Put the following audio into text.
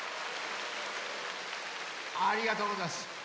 ありがとうござんす。